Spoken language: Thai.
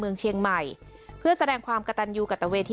เมืองเชียงใหม่เพื่อแสดงความกระตันยูกัตตะเวที